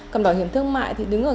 cầm bảo hiểm thương mại thì đứng ở góc